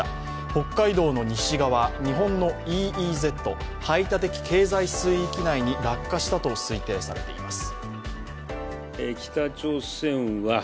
北海道の西側、日本のＥＥＺ＝排他的経済水域内に落下したと推定されています。